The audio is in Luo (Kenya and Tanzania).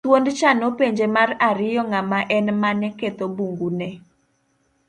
Thuondcha nopenje mar ariyo ng'ama en mane ketho bungu ne.